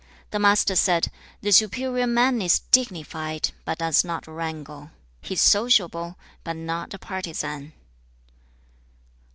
The Master said, 'The superior man is dignified, but does not wrangle. He is sociable, but not a partizan.'